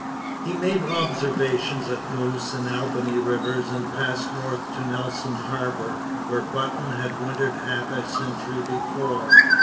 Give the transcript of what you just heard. He made observations at Moose and Albany rivers, and passed north to Nelson harbour, where Button had wintered half a century before.